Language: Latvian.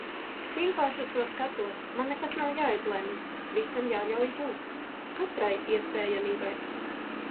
Vienkārši uz to skatos. Man nekas nav jāizlemj, visam jāļauj būt. Katrai iespējamībai.